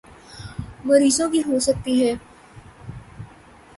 مریضوں کی ہو سکتی ہیں